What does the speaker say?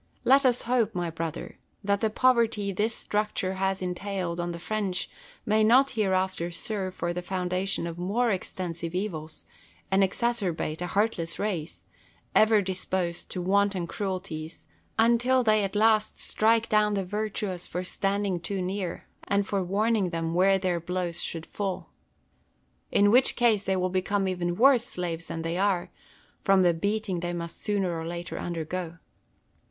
Soulier. Let us hope, my brother, that the poverty this structure has entailed on the French may not hereafter serve for the foundation of more extensive evils, and exacerbate a heartless race, ever disposed to wanton cruel ties, until they at last strike down the virtuous for standing too near, and for warning them where their blows should fall. In which case they will become even worse slaves than they are, from the beating they must sooner or later undergo.